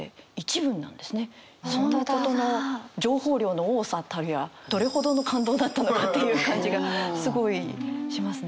情報量の多さたるやどれほどの感動だったのかっていう感じがすごいしますね。